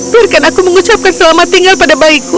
biarkan aku mengucapkan selamat tinggal pada bayiku